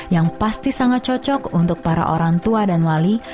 yang pasti sangat cocok untuk para orang tua dan wali